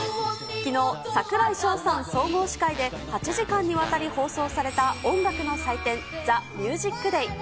きのう、櫻井翔さん総合司会で、８時間にわたり放送された音楽の祭典、ＴＨＥＭＵＳＩＣＤＡＹ。